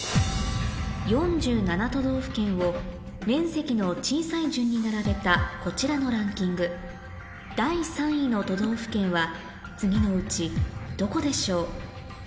４７都道府県を面積の小さい順に並べたこちらのランキング第３位の都道府県は次のうちどこでしょう？